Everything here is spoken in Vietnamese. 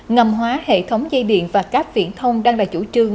ngầm hóa hệ thống dây điện và cáp viễn thông đang là chủ trương